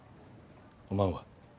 おまんは？